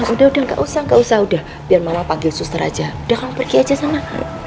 udah udah nggak usah nggak usah udah biar mama panggil suster aja udah kamu pergi aja sama ma